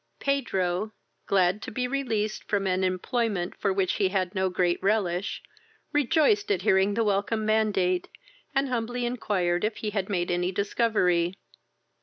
Pedro, glad to be released from an employment for which he had no great relish, rejoiced at hearing the welcome mandate, and humbly inquired if he had made any discovery.